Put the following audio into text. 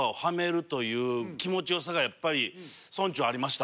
がやっぱり村長ありました。